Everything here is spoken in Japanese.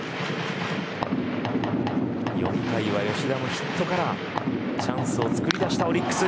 ４回は吉田のヒットからチャンスをつくり出したオリックス。